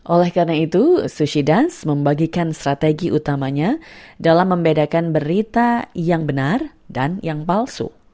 oleh karena itu sushidas membagikan strategi utamanya dalam membedakan berita yang benar dan yang palsu